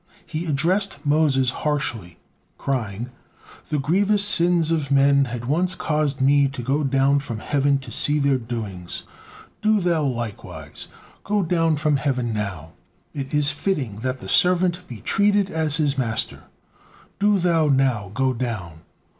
He addressed Moses harshly, crying: "The grievous sins of men had once caused Me to go down from heaven to see their doings. Do thou likewise go down from heaven now. It is fitting that the servant be treated as his master. Do thou now go down.